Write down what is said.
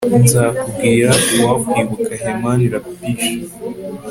Nzakubwira uwakwibukaHeman Lapish